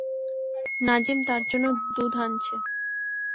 নাজিম তার জন্যে দুধ আনছে।